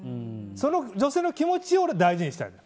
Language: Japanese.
その女性の気持ちを俺は大事にしたい。